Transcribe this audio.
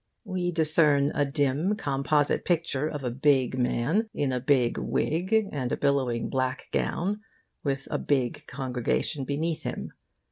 We discern a dim, composite picture of a big man in a big wig and a billowing black gown, with a big congregation beneath him.